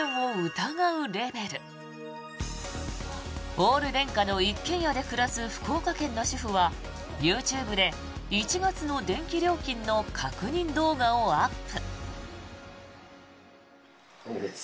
オール電化の一軒家で暮らす福岡県の主婦はＹｏｕＴｕｂｅで１月の電気料金の確認動画をアップ。